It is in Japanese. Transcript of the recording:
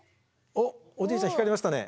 おじいちゃん光りましたね。